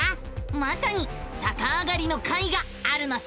まさにさかあがりの回があるのさ！